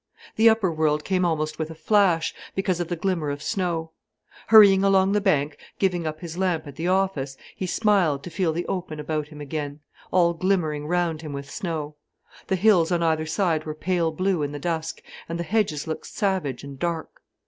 The upper world came almost with a flash, because of the glimmer of snow. Hurrying along the bank, giving up his lamp at the office, he smiled to feel the open about him again, all glimmering round him with snow. The hills on either side were pale blue in the dusk, and the hedges looked savage and dark.